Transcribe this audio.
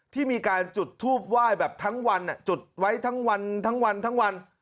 ที่มีการจุดทูปว่ายแบบทั้งวันจุดไว้ทั้งวัน